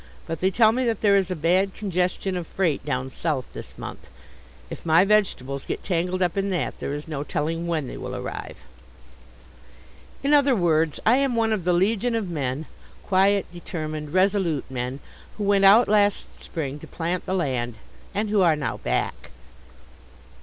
But they tell me that there is a bad congestion of freight down South this month. If my vegetables get tangled up in that there is no telling when they will arrive. In other words, I am one of the legion of men quiet, determined, resolute men who went out last spring to plant the land, and who are now back.